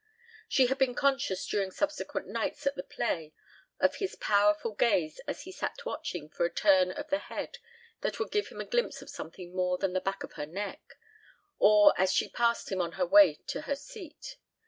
She had been conscious during subsequent nights at the play of his powerful gaze as he sat watching for a turn of the head that would give him a glimpse of something more than the back of her neck; or as she had passed him on her way to her seat.